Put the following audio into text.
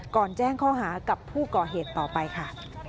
แจ้งข้อหากับผู้ก่อเหตุต่อไปค่ะ